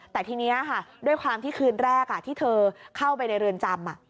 แต่ทีนี้ค่ะด้วยความที่คืนแรกที่เธอเข้าไปในเรือนจำ